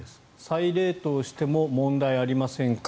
再冷凍しても問題ありませんか。